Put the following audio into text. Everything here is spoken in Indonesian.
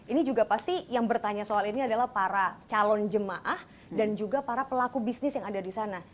ini juga pasti yang bertanya soal ini adalah para calon jemaah dan juga para pelaku bisnis yang ada di sana